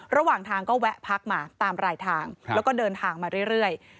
ระหว่างทางก็แวะพักมาตามรายทางแล้วก็เดินทางมาเรื่อย